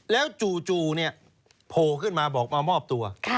แล้วจู่เนี่ยโผล่ขึ้นมาบอกมามอบตัว